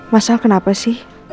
masa kenapa sih